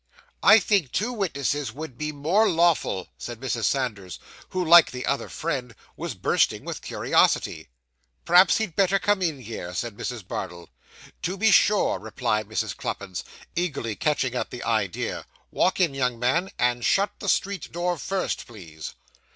'I think two witnesses would be more lawful,' said Mrs. Sanders, who, like the other friend, was bursting with curiosity. 'Perhaps he'd better come in here,' said Mrs. Bardell. 'To be sure,' replied Mrs. Cluppins, eagerly catching at the idea; 'walk in, young man; and shut the street door first, please.